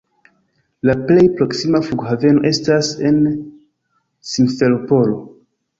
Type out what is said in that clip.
La plej proksima flughaveno estas en Simferopolo.